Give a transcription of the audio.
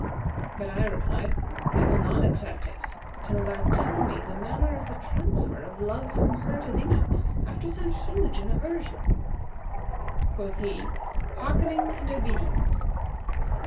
But I replied, 'I will not accept it till thou tell me the manner of the transfer of love from her to thee, after so huge an aversion.' Quoth he, 'Hearkening and obedience!